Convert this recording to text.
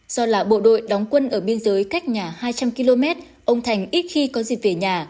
do là bộ đội đóng quân ở biên giới cách nhà hai trăm linh km ông thành ít khi có dịp về nhà